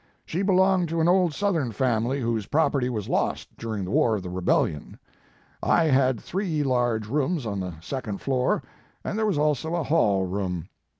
She belonged to an old Southern family whose property was lost during the war of the rebellion. I had three large rooms on the second floor and there was also a hall room.